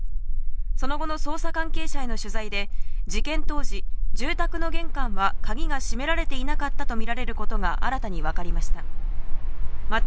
その後の捜査関係者への取材で事件当時、住宅の玄関は鍵が閉められていなかったとみられることが新たに分かりました。